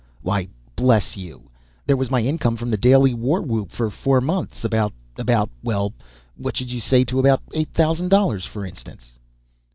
Why bless you, there was my income from the Daily Warwhoop for four months about about well, what should you say to about eight thousand dollars, for instance?"